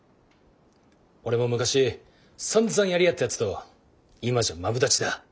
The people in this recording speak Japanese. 俺も昔さんざんやり合ったやつと今じゃマブダチだ。